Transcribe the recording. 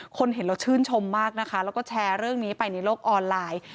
เห็นแล้วชื่นชมมากนะคะแล้วก็แชร์เรื่องนี้ไปในโลกออนไลน์